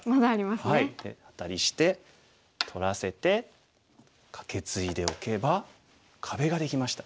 でアタリして取らせてカケツイでおけば壁ができました。